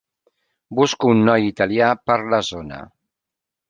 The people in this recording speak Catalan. Busco un noi italià per la zona.